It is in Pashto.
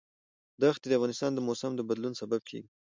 دښتې د افغانستان د موسم د بدلون سبب کېږي.